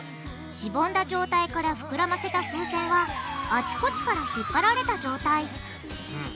しぼんだ状態からふくらませた風船はあちこちから引っ張られた状態。